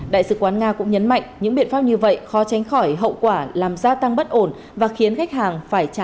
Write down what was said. đại sứ quán nga cũng nhấn mạnh những biện pháp như vậy khó tránh khỏi hậu quả làm gia tăng bất ổn và khiến khách hàng phải trả chi phí cao hơn